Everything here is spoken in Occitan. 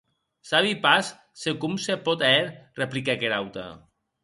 Sabi pas se com se pòt hèr, repliquèc er aute.